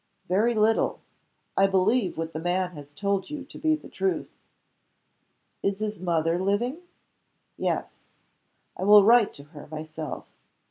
"Very little. I believe what the man has told you to be the truth." "Is his mother living?" "Yes." "I will write to her myself.